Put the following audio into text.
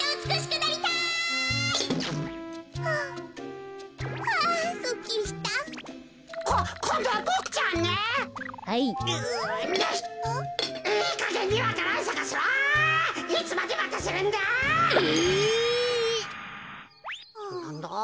なんだ？